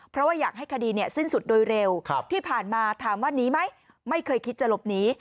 เพราะว่าอยากให้คดีสิ้นสุดโดยเร็วที่ผ่านมาถามว่าหนีไหมไม่เคยคิดจะหลบหนี